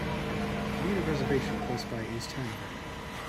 Need a reservation close-by East Hanover.